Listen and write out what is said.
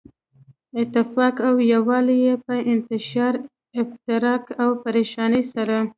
اتفاق او يو والی ئي په انتشار، افتراق او پريشانۍ سره